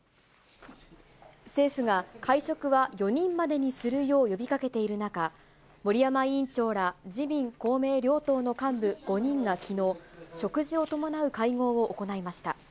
政府が会食は４人までにするよう呼びかけている中、森山委員長ら自民、公明両党の幹部５人がきのう、食事を伴う会合を行いました。